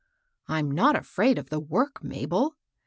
" I'm not afraid of the work, Mabel.